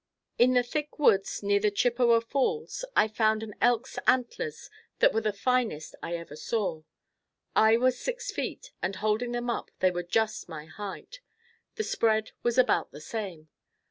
In the thick woods near the Chippewa Falls, I found an elk's antlers that were the finest I ever saw. I was six feet, and holding them up, they were just my height. The spread was about the same.